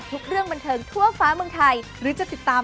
หรือว่าเปิดผิดอ่านผิดหรือเปล่า